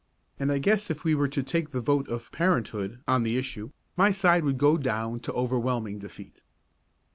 And I guess if we were to take the vote of Parenthood on the issue, my side would go down to overwhelming defeat.